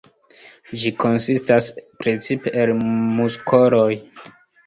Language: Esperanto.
Ĝi konsistas precipe el muskoloj.